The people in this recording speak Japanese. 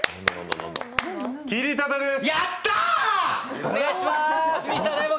切り立てです。